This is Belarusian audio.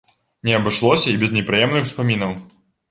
Не абышлося і без непрыемных успамінаў.